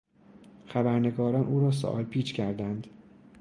خبرنگاران او را سوال پیچ کردند.